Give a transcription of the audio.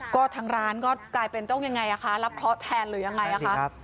ก็ทางร้านก็กลายเป็นต้องยังไงคะรับเคราะห์แทนหรือยังไงคะ